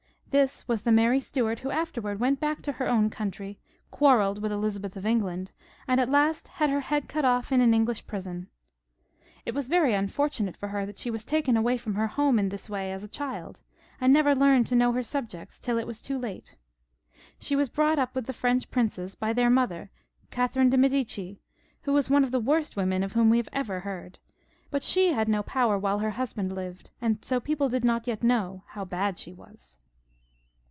This was the Mary Stuart who afterwards went back to her own country, quaxrelled with Elizabeth of England, and at last had her head cut off in an English prison. It was very unfortunate for her that she was taken away from her home in this way as a 266 HENRY I L [CH. .•'■ child, and never learned to know her subjects till it was too late. She was brought up with the French princes by their mother, Catherine of Medicis, who was one of the worst women of whom we ever hear ; but she had no power while her husband lived, and so people did not yet know of her badness.